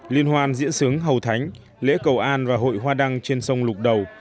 liên hoan diễn sướng hầu thánh lễ cầu an và hội hoa đăng trên sông lục đầu